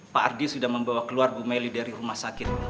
pak ardi sudah membawa keluar bu meli dari rumah sakit